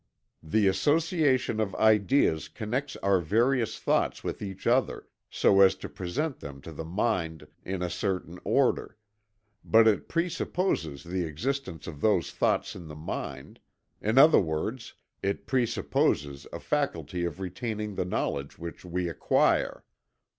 The association of ideas connects our various thoughts with each other, so as to present them to the mind in a certain order; but it presupposes the existence of those thoughts in the mind, in other words it presupposes a faculty of retaining the knowledge which we acquire.